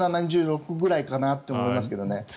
２７、２６くらいかなと思いますけどね。